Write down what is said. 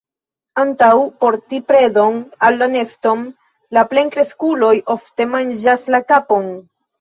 Antaŭ porti predon al la neston, la plenkreskuloj ofte manĝas la kapon.